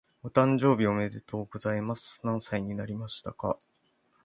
お誕生日おめでとうございます。何歳になりましたか？